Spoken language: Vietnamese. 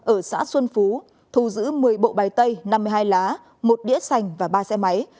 ở xã xuân phú thu giữ một mươi bộ bài tay năm mươi hai lá một đĩa sành và ba xe máy